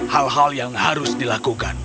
hal hal yang harus dilakukan